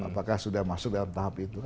apakah sudah masuk dalam tahap itu